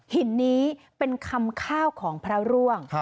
หินนี้เป็นคำข้าวของพระร่วง